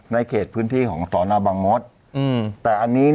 ในเขตพื้นที่ของสนบังมติ